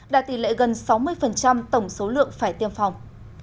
đạt tỷ lệ gần sáu mươi tổng số lượng phải tiêm phòng